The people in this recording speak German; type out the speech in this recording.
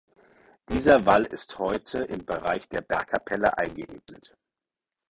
Dieser Wall ist heute im Bereich der Bergkapelle eingeebnet.